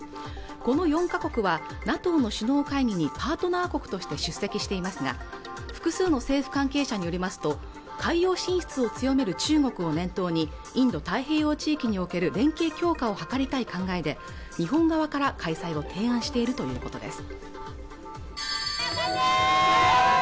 この４カ国はＮＡＴＯの首脳会議にパートナー国として出席していますが複数の政府関係者によりますと海洋進出を強める中国を念頭にインド太平洋地域における連携強化を図りたい考えで日本側から開催を提案しているということです